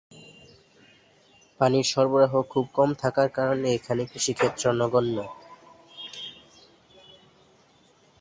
পানির সরবরাহ খুব কম থাকার কারণে এখানে কৃষিক্ষেত্র নগণ্য।